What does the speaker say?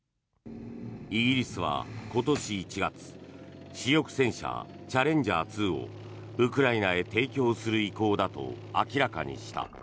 イギリスは今年１月主力戦車チャレンジャー２をウクライナへ提供する意向だと明らかにした。